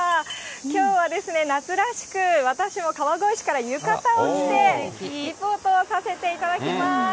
きょうは夏らしく、私も川越市から浴衣を着て、リポートをさせていただきます。